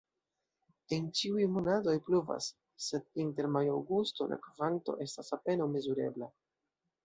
En ĉiuj monatoj pluvas, sed inter majo-aŭgusto la kvanto estas apenaŭ mezurebla.